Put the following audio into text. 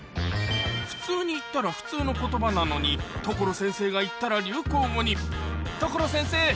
普通に言ったら普通の言葉なのに所先生が言ったら流行語に所先生！